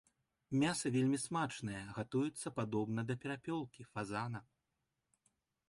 Мяса вельмі смачнае, гатуецца падобна да перапёлкі, фазана.